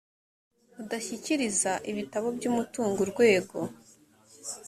udashyikiriza ibitabo by umutungo urwego